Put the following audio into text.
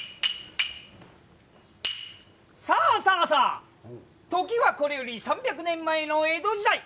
さあさあ時はこれより３００年前の江戸時代。